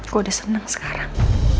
gue udah seneng sekarang